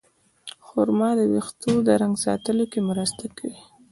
خرما د ویښتو د رنګ ساتلو کې مرسته کوي.